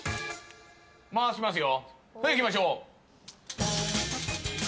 回しますよ。